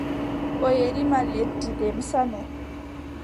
O yerima lesdi Demsa no.